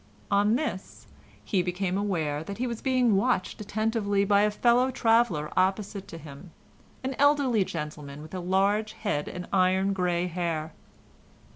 On this he became aware that he was being watched attentively by a fellow traveller opposite to him, an elderly gentleman with a large head and iron grey hair.